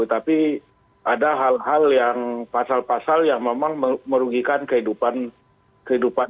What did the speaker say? tapi ada hal hal yang pasal pasal yang memang merugikan kehidupan